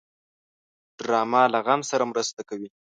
ډرامه له غم سره مرسته کوي